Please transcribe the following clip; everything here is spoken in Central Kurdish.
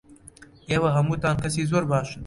ئێوە هەمووتان کەسی زۆر باشن.